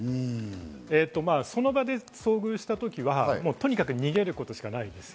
その場で遭遇した時はとにかく逃げることしかないです。